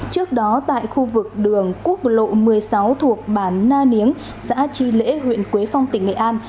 trước đó tại khu vực đường quốc lộ một mươi sáu thuộc bản na niếng xã chi lễ huyện quế phong tỉnh nghệ an